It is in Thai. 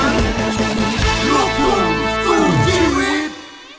รอคุณสู่ชีวิต